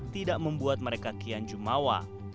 tidak membuat mereka kianjumawa